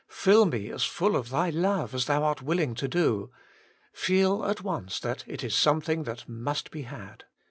Fill me as full of Thy love as Thou art willing to do !' feel at once that it is something that must be had.